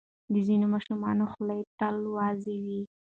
د ځینو ماشومانو خوله تل وازه وي.